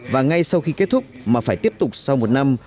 và ngay sau khi kết thúc mà phải tiếp tục sau một năm